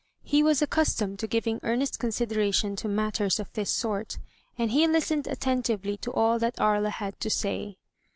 He was accustomed to giving earnest consideration to matters of this sort, and he listened attentively to all that Aria had to say.